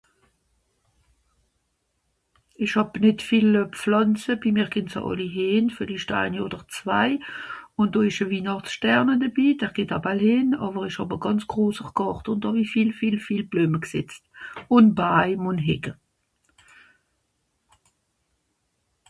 ìsch hàb nìt viel pflànze bi mer gehn se àlli heen villicht eini òder zwai ò do esch a winàchtstern debi der geht euj bal heen àwer ìsch hàb à gànz grosser gàrte o do hàwi viel viel viel bleume g'setzt ùn baim ùn hecke